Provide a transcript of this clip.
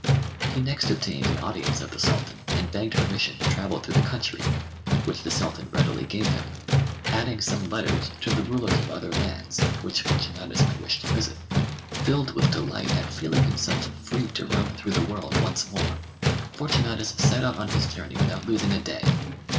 He next obtained an audience of the Sultan, and begged permission to travel through the country, which the Sultan readily gave him, adding some letters to the rulers of other lands which Fortunatus might wish to visit. Filled with delight at feeling himself free to roam through the world once more, Fortunatus set out on his journey without losing a day.